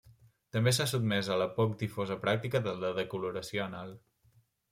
També s'ha sotmès a la poc difosa pràctica de la decoloració anal.